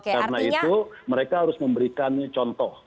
karena itu mereka harus memberikan contoh